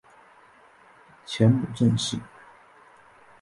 前母郑氏。